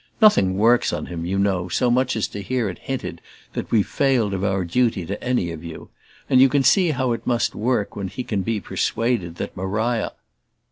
Nothing works on him, you know, so much as to hear it hinted that we've failed of our duty to any of you; and you can see how it must work when he can be persuaded that Maria